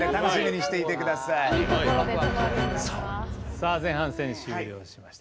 さあ前半戦終了しました。